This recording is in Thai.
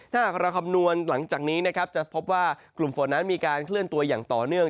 ถ้าหากเราคำนวณหลังจากนี้นะครับจะพบว่ากลุ่มฝนนั้นมีการเคลื่อนตัวอย่างต่อเนื่อง